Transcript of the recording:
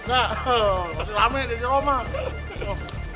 masih rame jadi romans